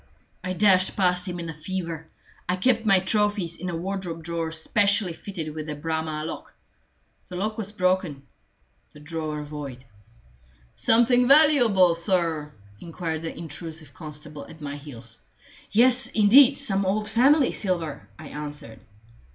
I dashed past him in a fever. I kept my trophies in a wardrobe drawer specially fitted with a Bramah lock. The lock was broken the drawer void. "Something valuable, sir?" inquired the intrusive constable at my heels. "Yes, indeed some old family silver," I answered.